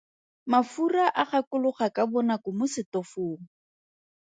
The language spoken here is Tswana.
Mafura a gakologa ka bonako mo setofong.